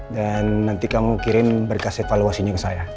dan nanti kamu kirim berkas evaluasinya ke saya